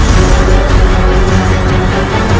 yunda sebenarnya ada apa